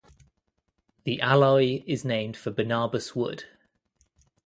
The alloy is named for Barnabas Wood.